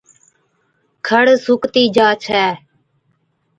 کڙ سُوڪتِي جا ڇَي،